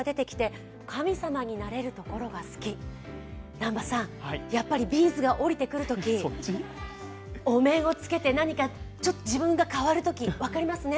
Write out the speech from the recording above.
南波さん、やっぱりＢ’ｚが降りてくるときお面をつけて何か自分が変わるとき、分かりますね？